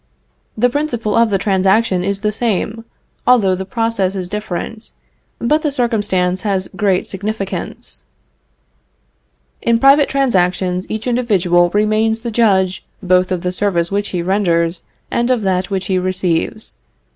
_ The principle of the transaction is the same, although the process is different, but the circumstance has great significance. In private transactions each individual remains the judge both of the service which he renders and of that which he receives.